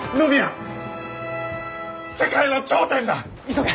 急げ！